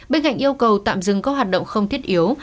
bên cạnh yêu cầu tạm dừng các hoạt động không thiết yếu